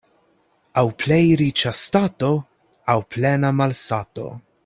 Aŭ plej riĉa stato, aŭ plena malsato.